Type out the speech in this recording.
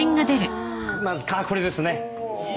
まずこれですね。